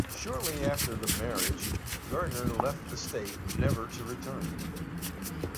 Shortly after the marriage Gardiner left the State, never to return.